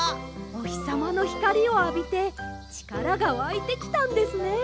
おひさまのひかりをあびてちからがわいてきたんですね。